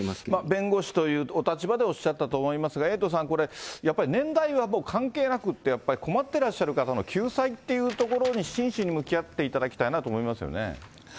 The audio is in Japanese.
弁護士というお立場でおっしゃったと思いますが、エイトさん、これ、やっぱり年代は関係なくって、困ってらっしゃる方の救済っていうところに真摯に向き合っていただきたいなと思いますよね。